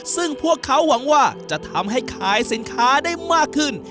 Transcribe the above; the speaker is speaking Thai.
ซึ่งพวกเขาหวังว่าจะทำให้ขายสินค้าได้มากขึ้น